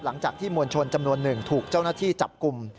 หลังจากที่มวลชนจำนวนหนึ่งถูกเจ้าหน้าที่จับกลุ่ม